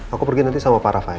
aku pergi nanti sama pak rafael